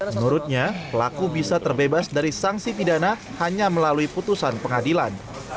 menurutnya pelaku bisa terbebas dari sanksi pidana hanya melalui putusan pengadilan